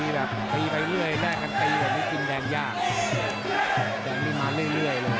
ถ้าแต่งตัวช้านี่ลำบากนิดนึง